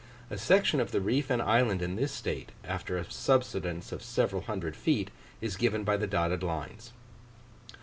A section of the reef and island in this state, after a subsidence of several hundred feet, is given by the dotted lines.